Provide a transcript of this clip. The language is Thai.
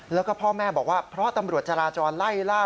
แล้วก็พ่อแม่บอกว่าเพราะตำรวจจราจรไล่ล่า